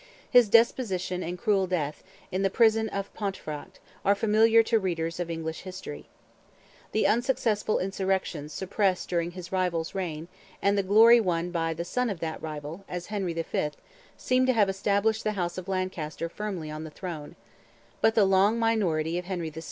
His deposition and cruel death, in the prison of Pontefract, are familiar to readers of English history. The unsuccessful insurrections suppressed during his rival's reign, and the glory won by the son of that rival, as Henry V., seem to have established the house of Lancaster firmly on the throne; but the long minority of Henry VI.